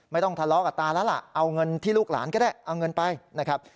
ไม่ต้องทะเลาะกับตาแล้วล่ะเอาเงินที่ลูกหลานก็ได้เอาเงินไปนะครับ